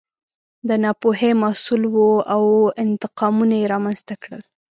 د ناپوهۍ محصول و او انتقامونه یې رامنځته کړل.